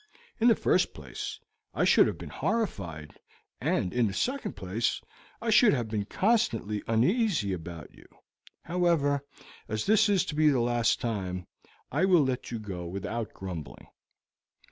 In the first place, I should have been horrified, and, in the second place, I should have been constantly uneasy about you. However, as this is to be the last time, I will let you go without grumbling."